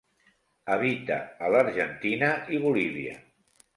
Habita a l'Argentina i Bolívia.